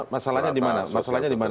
masalahnya dimana masalahnya dimana